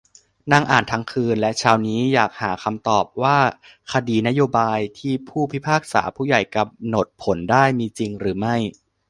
นั่งอ่านทั้งคืนและเช้านี้ อยากหาคำตอบว่า "คดีนโยบาย" ที่ผู้พิพากษาผู้ใหญ่กำหนดผลได้ มีจริงหรือไม่ ?